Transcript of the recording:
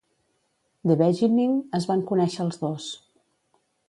The Beginning es van conèixer els dos.